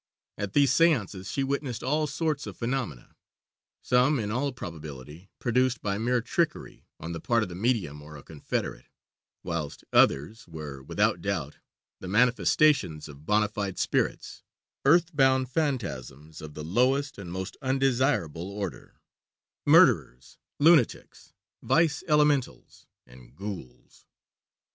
At these séances she witnessed all sorts of phenomena some in all probability produced by mere trickery on the part of the medium or a confederate, whilst others were, without doubt, the manifestations of bona fide spirits earthbound phantasms of the lowest and most undesirable order murderers, lunatics, Vice Elementals, and ghouls.